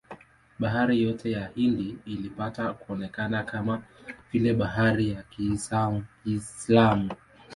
Bahari yote ya Hindi ilipata kuonekana kama vile bahari ya Kiislamu.